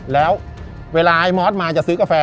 แล้วเวลาไอ้มอสมาจะซื้อกาแฟ